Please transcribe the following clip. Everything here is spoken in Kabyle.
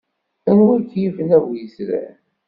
Anwa i k-yifen a bu yetran?